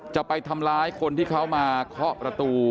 จะไปทำร้ายคนที่เขามาเคาะประตู